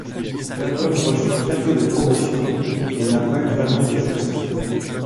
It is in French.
L'album reçut très peu de promotion, et n'a pas eu vraiment de succès.